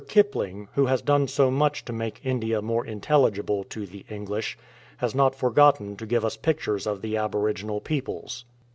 Kipling, who has done so much to make India more intelligible to the English, has not forgotten to give us pictures of the aboriginal peoples.